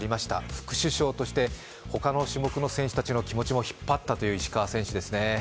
副主将として他の種目の選手たちの気持ちも引っ張ったという石川選手ですね